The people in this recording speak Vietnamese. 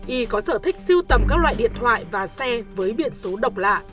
y có sở thích siêu tầm các loại điện thoại và xe với biển số độc lạ